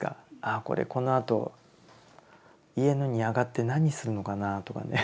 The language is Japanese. あこれこのあと家に上がって何するのかなとかね。